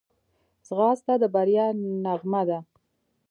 ځغاسته د بریا نغمه ده